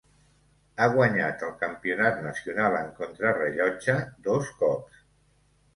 Ha guanyat el Campionat nacional en contrarellotge dos cops.